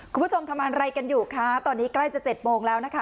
คุณผู้ชมทำอะไรกันอยู่คะตอนนี้ใกล้จะ๗โมงแล้วนะคะ